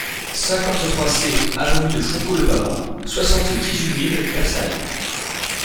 cinquante-trois C avenue Fourcault de Pavant, soixante-dix-huit mille Versailles